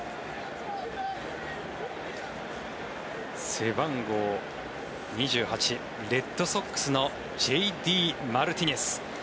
背番号２８、レッドソックスのＪ．Ｄ．マルティネス。